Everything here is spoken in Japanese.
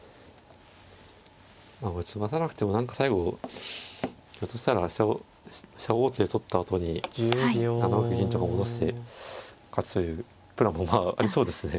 まあこれ詰まさなくても何か最後ひょっとしたら飛車を王手で取ったあとに７六銀とか戻して勝ちというプランもまあありそうですね。